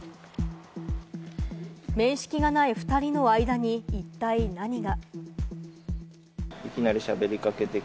面識がない２人の間に一体何が？